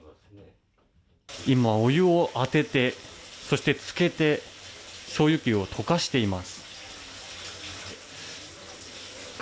今お湯を当ててそして、浸けて送湯管を溶かしています。